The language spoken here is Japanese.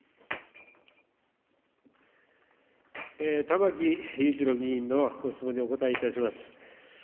玉木雄一郎議員のご質問にお答えいたします。